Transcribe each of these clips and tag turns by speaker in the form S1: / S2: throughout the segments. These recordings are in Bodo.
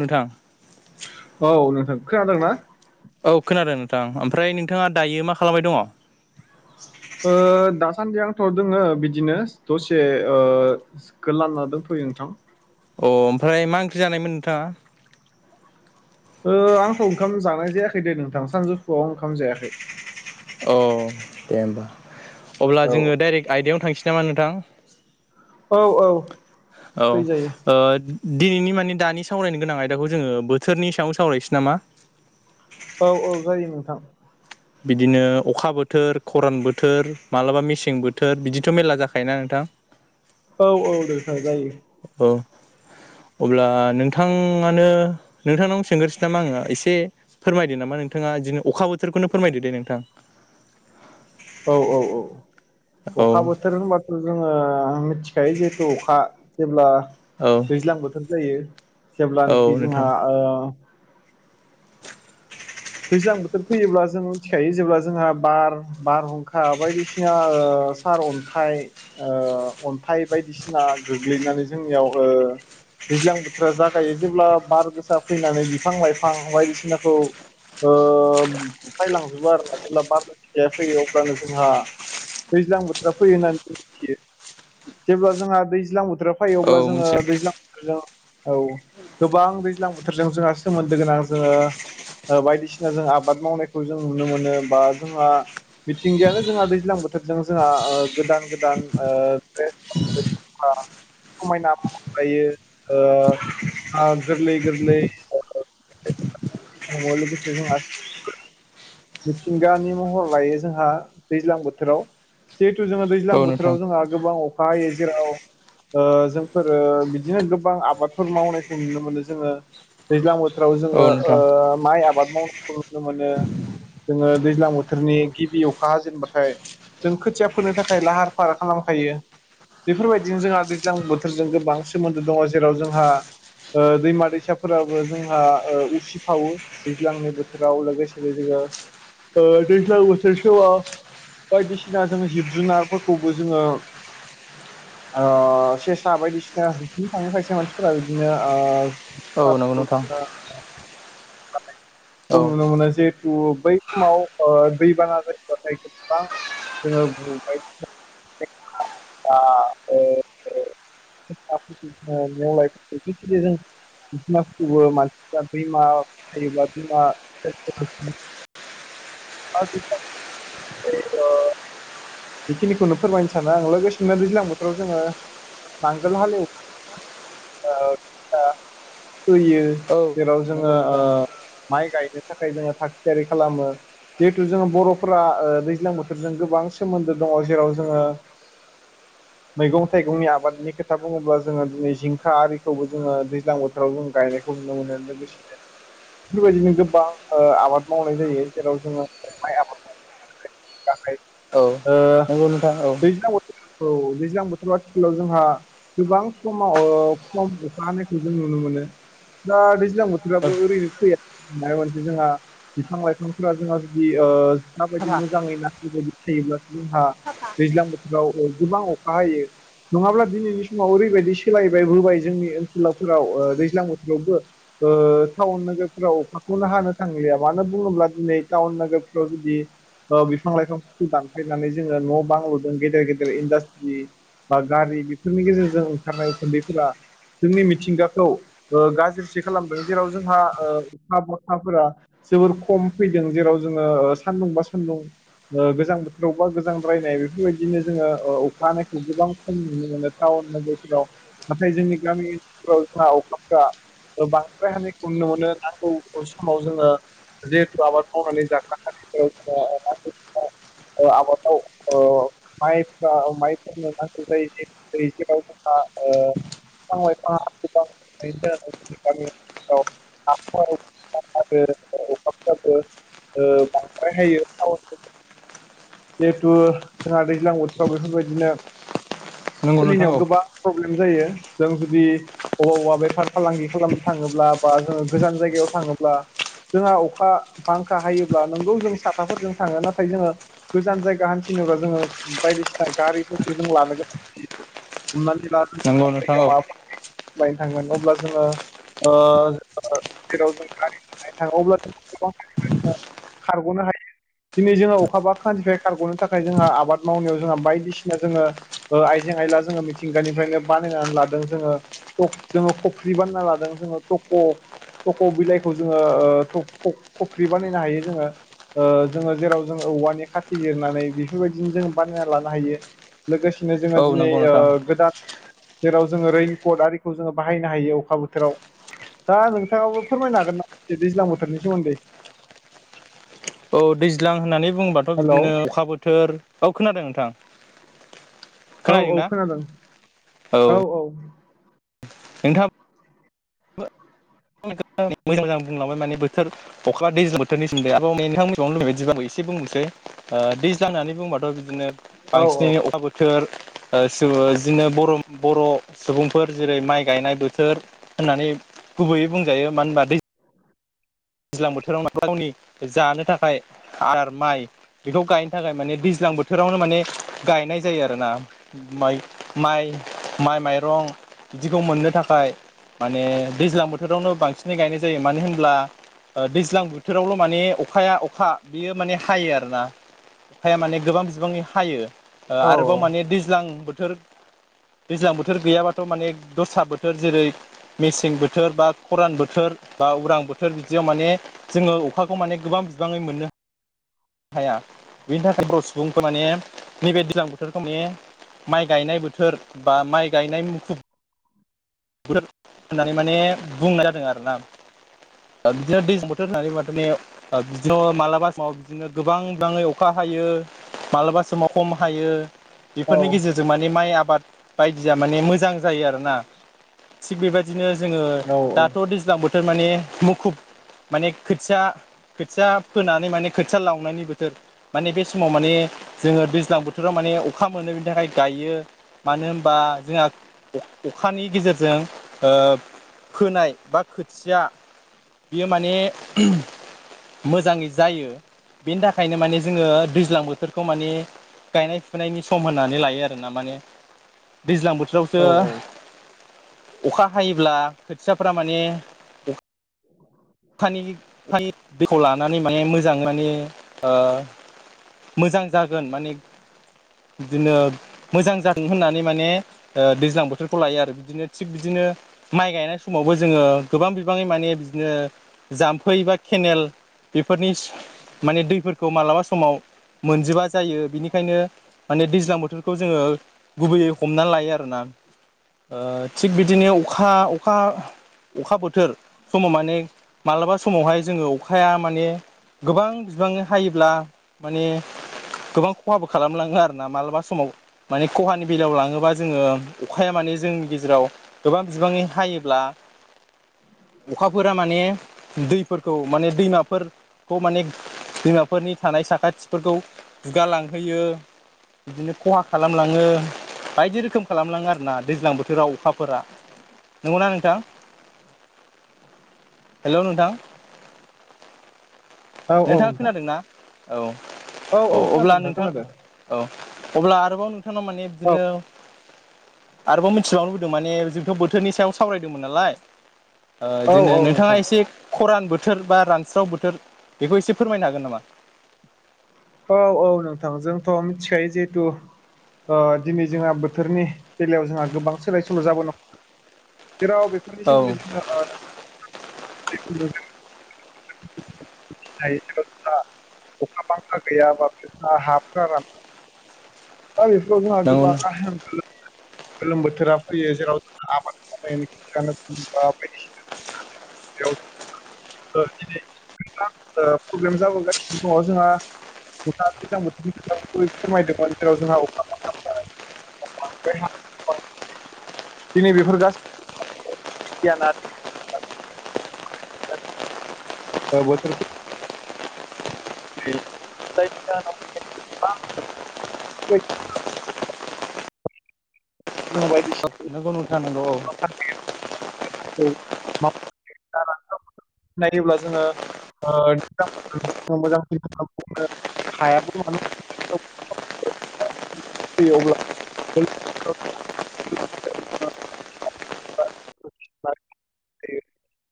S1: नोंथां
S2: औ नोंथां खोनादोंना?
S1: औ खोनादों नोंथां ओमफ्राय नोंथाङा दायो मा खालामबाय दङ?
S2: ओ दासान्दि आंथ' दोङो बिदिनो दसे ओ गोलांना दंथयो [unintelligible] नोंथां
S1: अ ओमफ्राय मा ओंख्रि जानायमोन नोंथाङा?
S2: ओ आंथ' ओंखाम जानाय जायाखै दे नोंथां सानजौफुआव ओंखाम जायाखै
S1: अ दे होमबा अब्ला
S2: औ
S1: जोङो डाइरेक्ट आयदायाव थां सै नामा नोंथां
S2: औ औ
S1: औ
S2: फैजायो
S1: ओ दिनैनि माने दानि सावरायनो गोनां आयदाखौ जोङो बोथोरनि सायाव सावरायसै नामा?
S2: औ औ जायो नोंथां।
S1: बिदिनो अखा बोथोर खरान बोथोर मालाबा मेसें बोथोर बिदिथ' मेरला जाखायोना नोंथां?
S2: औ औ नोंथां जायो
S1: [inaudible] अब्ला नोंथाङानो नोंथांनाव सोंगोरसै नामा आङो एसे फोरमायदो नामा नोंथां ङा दिनै अखा बोथोरखौनो फोरमायदो दे नोंथां
S2: औ औ औ
S1: औ
S2: अखा बोथोर होनबाथ' जोङो आं मिथि खायो जिहेथु अखा जेब्ला
S1: औ
S2: दैज्लां बोथोर जायो
S1: औ
S2: जेब्लानोखि
S1: नोंथां
S2: जोंहा ओ दैज्लां बोथोर फैयोब्ला जों मिथिखायो जेब्ला जोंहा बार बारहुंखा बायदिसिना ओ सार अन्थाइ ओ अन्थाइ बायदिसिना गोग्लैनानै जोंनियाव ओ दैज्लां बोथोरा जागायो जेब्ला बार गोसा फैनानै बिफां लाइफां बायदिसिनाखौ ओह फायलांजोबो आरोना जेब्ला बार फिखाया फैयो अब्लानो जोंहा दैज्लां बोथोरा फैयो होननानै मिथियो जेब्ला जोंहा दैज्लां बोथोराव फै
S1: औ
S2: अब्ला जोङो
S1: मिथिया
S2: दैज्लांजों औ गोबां दैज्लां बोथोरजों जोंहा सोमोन्दो गोनां जोङो बायदिसिना जों आबाद मावनायखौ जों नुनो मोनो बा जोंहा मिथिंगायानो जोंहा दैज्लां बोथोरजों जोंहा ओ गोदान गोदान ओ आआ समायना महर लायो ओआ गोरलै गोरलै
S1: [unintelligible]
S2: [unintelligible] मिथिंगानि महर लायो जोंहा दैज्लां बोथोराव जोङो
S1: औ
S2: दैज्लां
S1: नोंथां
S2: बोथोराव जोंहा गोबां अखा हायो जेराव ओ‌ जोंफोरो बिदिनो गोबां आबादफोर मावनायखौ नुनो मोनो जोङो दैज्लां बोथोर फोराव
S1: औ
S2: जोङो
S1: नोंथां
S2: ओ माइ आबाद मावनायखौ नुनो मोनो जोङो दैज्लां बोथोरनि गिबि अखा हाजेनबाथाय जों खोथिया फोनो थाखाय लाहार फाहार खालामखायो। बेफोरबायदिनो जोंहा दैज्लां बोथोरजों गोबां सोमोन्दो दङ' जेराव जोंहा ओ दैमा दैसाफोराबो जोंहा उसिफावो दैज्लांनि बोथोराव लोगोसेनो जोङो ओ ‌दैजलां बोथोर समाव बायदिसिना जोङो जिब जुनारफोरखौबो जोङो ओ सेसा बायदिसिना होसोनो थांनोखायसो मानसिफोरा बिदिनो
S1: औ नंगौ
S2: ओह
S1: नोंथां औ
S2: खौ नुनो मोनो जिहेथु बै। समाव ओह दैबाना जायोबाथाय गोबां जोङो बबाय। [unintelligible] बिफां‌ लाइफां जेखिनि जों। [unintelligible] [unintelligible] बेखिनिखौनो फोरमायनो सानो आं लोगोसे नो दैज्लां बोथोराव जोङो। नांगोल हालेव ओ होयो
S1: औ
S2: जेब्ला
S1: नंगौ
S2: जोङो ओ
S1: नोंथां
S2: माइ गायनो थाखाय जोङो थाग थियारि खालामो जिहेथु जोङो बर'फोरा ओ दैज्लां बोथोरजों गोबां सोमोन्दो दङ' जेराव जोङो
S1: [unintelligible]
S2: मैगं थाइगंनि आबादनि खोथा बुङोब्ला जोङो दिनै जिंखा आरिखौबो जोङो दैज्लां बोथोराव जों गायनायखौ नुनो मोनो लोगोसे बेफोरबायदिनो गोबां ओ आबाद मावनाय जायो। जेराव जोङो माइ आबाद [unintelligible]
S1: औ
S2: ओ
S1: नंगौ नोंथां औ
S2: दैज्लां बोथोर औ दैज्लां बोथोराव आथिखालाव जोंहा। गोबां समाव खम अखा हानायखौ जों नुनो मोनो। दा दैज्लां बोथोराबो ओरैनो फैया माबा मोनसे जोंहा बिफां-लाइफां जोंहा जुदि ओ माबायदि मोजाङै नांगौबादि थायोब्ला जोंहा दैज्लां बोथोराव गोबां अखा हायो। नङाब्ला दिनैनि समाव ओरैबायदि सोलायबाय बोबाय जोंनि ओनसोलावफोराव दैज्लां बोथोरावबो ओ टाउन नोगोरफोराव अखाखौनो हानो थांलिया मानो बुङोब्ला दिनै टाउन नोगोरफ्राव जुदि ओ बिफां लाइफां दानफायनानै जोङो न' बां लुदों गेदेर गेदेर इन्डास्ट्रि बा गारि बेफोरनि गेजेरजों ओंखारनाय उखुन्दैफोरा जोंनि मिथिंगाखौ ओ गाज्रिसो खालामदों जेराव जोंहा ओ अखा बथाफोरा जोबोर खम फैदों जेराव जोङो ओ सान्दुं बा सान्दुं ओ गोजां बोथोराव बा गोजां द्रायनाय बेफोरबायदिनो जोङो ओ अखा हानायखौ गोबां खम नुनो मोनो थाउ थाउन नोगोरफोराव नाथाय जोंनि गामि ओनसोलफोराव जोंहा अखाफ्रा ओ बांद्राय हानायखौ नुनो मोनो नांगौ समाव जोङोे लेट आबाद मावनानै जाग्रा हारिफोर ओ [inaudible] आबादाव ओ माइफ्रा माइफोरनो नांगौ जायो जे दैज्लां आव अखा ओ बिफां लाइफांआ गोबां थानायनि थाखाय जोंनि गामि ओनसोलफ्राव [inaudible] आरो अखाफ्राबो ओ बांद्रायहायो टाउन [inaudible] जिहेथु जोंहा दैज्लां बोथोराव बेफोरबायदिनो
S1: नंगौ नोंथां
S2: सोलिनायाव
S1: औ
S2: गोबां प्रब्लेम जायो जों जुदि अबा अबा बेफार फालांगि खालामनो थाङोब्ला बा जोङो गोजान जायगायाव थाङो ब्ला जोंहा अख खा बांखा हायोब्ला नोंगौ जों साथाफोरजों थाङो नाथाय जोङो गोजान जायगा हान्थिनोबा जोङो बायदि सिना गारिफोरखौ जों लानो गोनां जायो हमनानै। [inaudible]
S1: नंगौ नोंथां औ
S2: थांगोन अब्ला जोङो ओ जेराव जों गारि [inaudible] अब्ला गोबां [inaudible] खारग'नो हायो दिनै जोङो अखा बांखानिफ्राय खारग'नो थाखाय जोंहा आबाद मावनायाव जोंहा बायदिसिना जोङो ओ आइजें आयला जोङो मिथिंगानिफ्रायनो बानायनानै लादों जोङो खफ जोङो खफ्रि बानायना लादों जोङो थप ख थख' बिलाइखौ जोङो ओ थप खफ-खफ्रि बानायनो हायो जोङो। ओ जोङो जेराव जोङो औवानि खाथि जिरनानै बेफोरबायदिनो जों बानायना लानो हायो। लोगोसेनो जोङो
S1: औ
S2: दिनै
S1: नंगौ
S2: ओ
S1: नोंथां
S2: गोदान जेराव जोङो रेइनकट आरिखौ जोङो बाहायनो हायो अखा बोथोराव। दा नोंथाङाबो फोरमायनो हागोन नामा दैज्लां बोथोरनि सोमोन्दै?
S1: औ दैज्लां होननानै बुंङोबाथ'
S2: हेलौ
S1: बिदिनो अखा बोथोर औ खोनादों नोंथां।
S2: औ औ
S1: खोनादोंना
S2: खोनादों औ औ।
S1: नोंथां। मोजां मोजां बुंलांबाय माने बोथोर अखा दैज्लां बोथोरनि सोमोन्दै आंबो नोंथाङा मिथिबावनो लुबैनाय बायदि आंबो एसे बुंनोसै। ओ दैज्लां होन्नानै बुंबाथ' बिदिनो
S2: औ औ
S1: बांसिनै अखा बोथोर ओ सुबु बिदिनो बर' बर' सुबुंफोर जेरै माइ गायनाय बोथोर होननानै गुबैयै बुंजायो मानो होनबा दै दैज्लां बोथोराव गावनि जानो थाखाय आदार माइ बेखौ गायनो थाखाय माने दैज्लां बोथ बोथोरावनो माने गायनाय जायो आरोना माइ माइ माइ माइरं बिदिखौ मोननो थाखाय माने दैज्लां बोथोरावनो बांसिनै गायनाय जायो मानो होनब्ला ओ दैज्लां बोथोरावल' माने अखाया अखा बियो माने हायो आरो ना। अखाया माने गोबां बिबांनि हायो ओ
S2: औ
S1: आरोबाव माने दैज्लां बोथोर दैज्लां बोथोर गैयाबाथ' माने दस्रा बोथोर जेरै मेसें बोथोर बा खरान बोथोर बा उरां बोथोर बिद जेराव माने जोङो अखाखौ माने गोबां बिबाङै मोननो हाया बिनि थाखाय बर' सुबुंफोरा माने नैबे दैज्लां बोथोरखौ मे माइ गायनाय बोथोर बा माइ गायनाय मुखुब [inaudible] होननानै माने बुंनाय जादों आरोना। [inaudible] बिदिनो गोबां बिबाङै अखा हायो मालाबा समाव खम हायो। बेफोरनि गेजेरजों माने माइ आबाद बायदिया माने मोजां जायो आरोना। थिग बेबायदिनो जोङो दाथ' दैज्लां बोथोर माने मुखुब माने खोथिया खोथिया फोनानै माने खोथिया लावनायनि बोथोर माने बे समाव माने जोङो दैज्लां बोथोराव माने ने अखा मोनो बेनि थाखाय गायो मानो होनबा जोंहा अ-अखानि गेजेरजों ओ फोनाय बा खोथिया बियो माने मोजाङै जायो बेनि थाखायनो माने जोङो दैज्लां बोथोरखौ माने गायनाय फुनायनि सम होननानै लायो आरोना माने दैज्लां
S2: औ
S1: बोथोरावसो अखा हायोब्ला खोथियाफ्रा माने फानिनि फानि दैखौ लानानै माने मोजां माने ओ मोजां जागोन माने बिदिनो मोजां जादों होननानै माने ओ दैज्लां बोथोरखौ लायो आरो बिदिनो थिग बिदि नो माइ गायनाय समावबो जोङो गोबां बिबाङै माने बिदिनो जाम्फै बा केनेल बेफोरनि सो माने दैफोरखौ मालाबा समाव मोनजोबा जायो बिनिखायनो माने दैज्लां बोथोरखौ जोङो गुबैयै हमनानै लायो आरोना। ओ थिग बिदिनो अखा अखा अखा बोथोर समाव माने मालाबा समाव हाय जोङो अखाया माने गोबां बिबांनो हायोब्ला माने गोबां खहाबो खालामलाङो आरोना मालाबा समाव माने खहानि बेलायाव लाङोबा जोङो अखाया मा ने जोंनि गेजेराव गोबां बिबाङै हायोब्ला अखाफोरा माने दैफोरखौ माने दैमाफोरखौ माने दैमाफोरनि थानाय साखाथिफोरखौ जुगालांहोयो। बिदिनो खहा खालामलाङो। बायदि रोखोम खालामलाङो आरो ना दैज्लां बोथोराव अखाफोरा नंगौना नोंथां? [inaudible] हेलौ नोंथां
S2: औ औ
S1: नोंथाङा
S2: नोंथां
S1: खोनादोंना? औ। औ अब्ला नोंथां औ अब्ला आरोबाव नोंथानाव माने
S2: औ
S1: बिदिनो आरोबाव मिथिबावनो लुगैदों माने जोंथ' बोथोरनि सायाव सावरायदोंमोन नालाय। ओ
S2: औ औ
S1: दिनाय नोंथांङा
S2: नोंथां
S1: खरान बोथोर बा रानस्राव बोथोर बेखौ एसे फोरमायनो हागोन नामा?
S2: औ औ नोंथां जोंथ' मिथिखायो जिहेथु ओ दिनै जोंहा बोथोरनि बेलायाव जोंहा गोबां सोलाय सोल' जाबोनो जेराव बेफोरनि
S1: औ
S2: सोमोन्दै जोङो ओ [unintelligible] गैया बा‌ हाफ्रा रान [unintelligible]
S1: नंगौ
S2: गोलोम बोथोरा फैयो जेराव जों आबाद [unintelligible] बायदिसिना जेराव ओ दिनै नोंथां ओ प्रब्लेम जाबोगासिनो दङ जोंहा [unintelligible] [unintelligible] दिनै बेफोर गास [unintelligible] [unintelligible] औ बोथोर [unintelligible] जों बायदि
S1: नंगौ नोंथां नंगौ औ।
S2: [unintelligible] [unintelligible] नायोब्ला जोङो ओ [unintelligible] हायाबो [unintelligible] फैयो अब्ला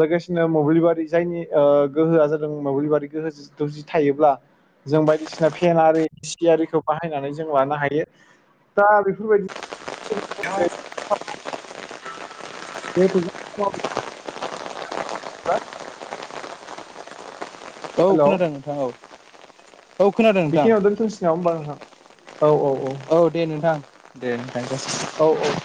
S2: लोगोसेनो मोब्लिबारि जायनि ओ गोहोआ जादों मोब्लिबारि गोहो जि जि थायोब्ला जों बायदिसिना फेन आरि ए सि आरिखौ बाहायनानै जों लानो हायो। दा बेफोरबायदि [unintelligible] हा
S1: औ खोनादों नोंथां औ औ खोनादों नोंथां
S2: बेखिनियाव दोंथनोसै नामा होम्बा नोंथां औ
S1: औ दे नोंथां दे नोंथां
S2: औ औ